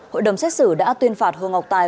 hội đồng xét xử đã tuyên phạt hồ ngọc tài